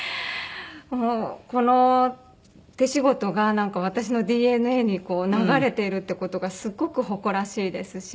この手仕事が私のＤＮＡに流れてるって事がすごく誇らしいですし。